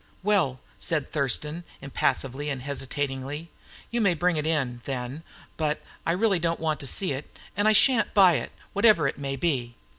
"Well," said Thurston, impassively and hesitatingly, "you may bring it in, then, but I really don't want to see it, and I shan't buy it, whatever it may be."